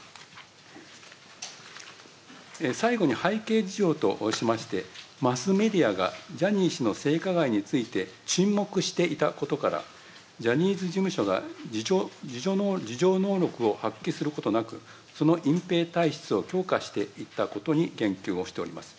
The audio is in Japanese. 最後に背景事情としまして、マスメディアがジャニー氏の性加害について沈黙していたことから、ジャニーズ事務所が自浄能力を発揮することなく、その隠蔽体質を強化していったことに言及をしております。